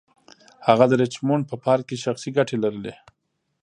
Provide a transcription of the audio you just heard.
هغه د ریچمونډ په پارک کې شخصي ګټې لرلې.